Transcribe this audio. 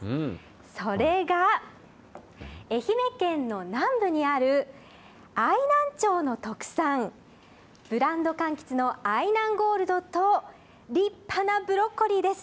それが、愛媛県の南部にある愛南町の特産、ブランドかんきつの愛南ゴールドと、立派なブロッコリーです。